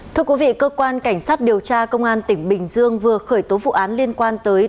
thưa quý vị cơ quan cảnh sát điều tra công an tỉnh bình dương vừa khởi tố vụ án liên quan tới